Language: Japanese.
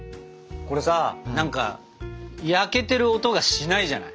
これさ何か焼けてる音がしないじゃない？